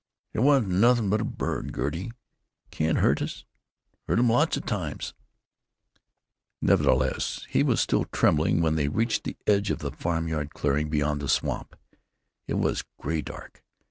"It wasn't nothing but a bird, Gertie; it can't hurt us. Heard 'em lots of times." Nevertheless, he was still trembling when they reached the edge of a farm yard clearing beyond the swamp. It was gray dark.